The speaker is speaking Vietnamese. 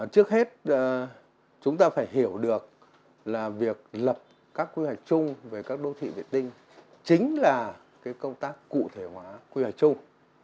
trước hết chúng ta phải hiểu được là việc lập các quy hoạch chung về các đô thị vệ tinh chính là công tác cụ thể hóa quy hoạch chung